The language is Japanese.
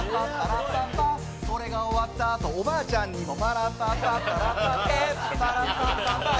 それが終わった後、おばあちゃんにもパラパラッパパッパッパ。